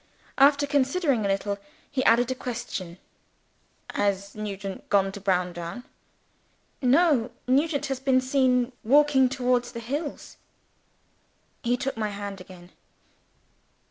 After considering a little, he added a question. "Has Nugent gone to Browndown?" "No. Nugent has been seen walking towards the hills." He took my hand again.